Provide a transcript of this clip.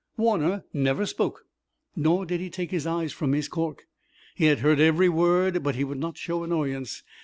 Warner never spoke, nor did he take his eyes from his cork. He had heard every word, but he would not show annoyance.